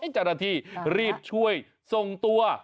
จันทีรีบช่วยส่งตัว